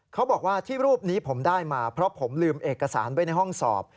เขาบอกว่าที่รูปนี้ผมได้มาเพราะผมลืมเอกสารไว้ในห้องสอบ